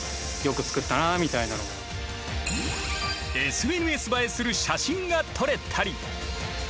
ＳＮＳ映えする写真が撮れたり。